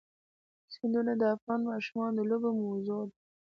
سیندونه د افغان ماشومانو د لوبو موضوع ده.